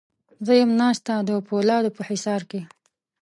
زه یم ناسته د پولادو په حصار کې